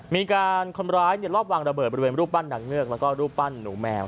มีการคนร้ายรอบวางระเบิดบริเวณรูปปั้นนางเงือกแล้วก็รูปปั้นหนูแมว